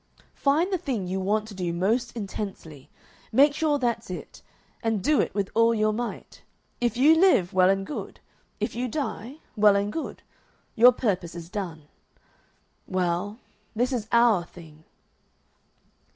Find the thing you want to do most intensely, make sure that's it, and do it with all your might. If you live, well and good; if you die, well and good. Your purpose is done.... Well, this is OUR thing."